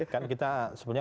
kan kita sebenarnya